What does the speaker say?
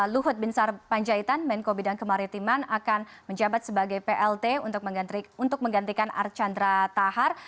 luhut bin sarapanjaitan menko bidang kemaritiman akan menjabat sebagai plt untuk menggantikan archandra thar